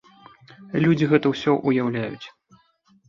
Людзі гэта ўсё ўяўляюць.